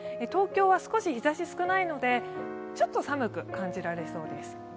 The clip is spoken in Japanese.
東京は少し日ざしが少ないので、ちょっと寒く感じられそうです。